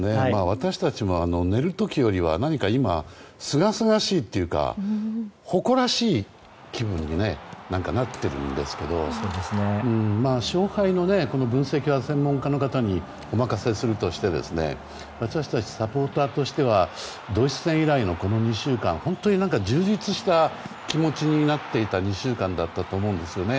私たちも寝る時よりはすがすがしいというか誇らしい気分になってるんですけど勝敗の分析は専門家の方にお任せするとして私たちサポーターとしてはドイツ戦以来の、この２週間本当に充実した気持ちになっていた２週間だったと思うんですよね。